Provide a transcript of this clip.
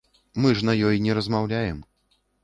Мы ж на ёй не размаўляем.